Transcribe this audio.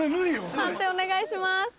判定お願いします。